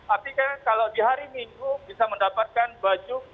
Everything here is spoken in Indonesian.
artinya kalau di hari minggu bisa mendapatkan baju